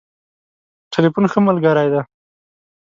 ټليفون ښه ملګری دی.